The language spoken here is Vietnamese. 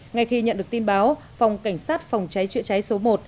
ngay khi nhận được tin báo phòng cảnh sát phòng cháy chữa cháy số một